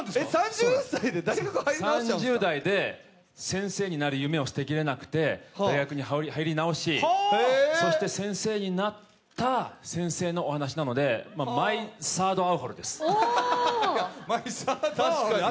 ３０代で先生になる夢があって大学に入り直して、そして先生になった先生のお話なので、「マイ・サード・アオハル」です。